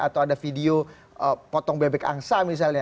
atau ada video potong bebek angsa misalnya